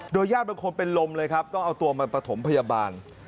โดยญาติเป็นคนเป็นลมเลยต้องเอาตัวมาประถมพยาบาล